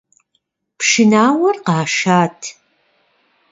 Пшынауэр къашат.